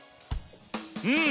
うん。